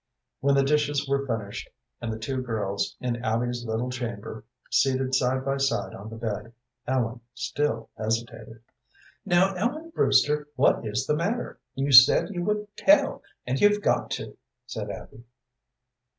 When the dishes were finished, and the two girls in Abby's little chamber, seated side by side on the bed, Ellen still hesitated. "Now, Ellen Brewster, what is the matter? You said you would tell, and you've got to," said Abby.